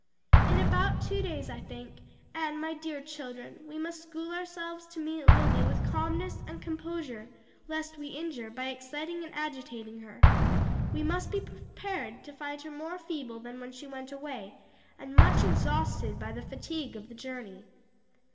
"In about two days, I think; and my dear children, we must school ourselves to meet Lily with calmness and composure, lest we injure, by exciting and agitating her. We must be prepared to find her more feeble than when she went away, and much exhausted by the fatigue of the journey."